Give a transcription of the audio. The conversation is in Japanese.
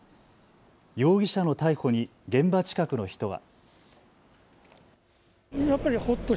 容疑者の逮捕に現場近くの人は。